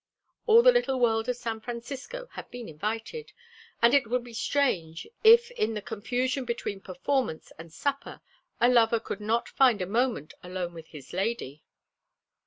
All the little world of San Francisco had been invited, and it would be strange if in the confusion between performance and supper a lover could not find a moment alone with his lady.